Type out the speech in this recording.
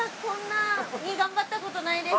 こんなに頑張ったことない。